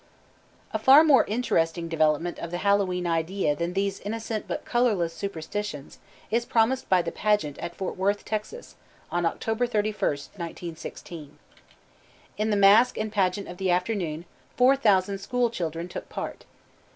A far more interesting development of the Hallowe'en idea than these innocent but colorless superstitions, is promised by the pageant at Fort Worth, Texas, on October thirty first, 1916. In the masque and pageant of the afternoon four thousand school children took part.